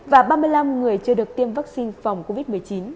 và ba mươi năm người chưa được tiêm vaccine phòng covid một mươi chín